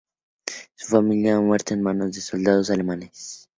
Su familia ha muerto a manos de soldados alemanes.